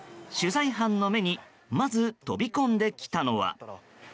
取材班の目にまず飛び込んできたのは。